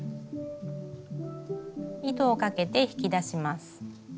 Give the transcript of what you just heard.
糸をかけて引き出します。